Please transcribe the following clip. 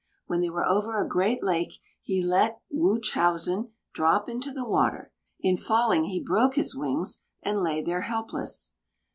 When they were over a great lake, he let Wūchowsen drop into the water. In falling he broke his wings, and lay there helpless.